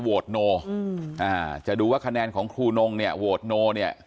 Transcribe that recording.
โนอืมอ่าจะดูว่าคะแนนของครูนงเนี่ยโหวตโนเนี่ย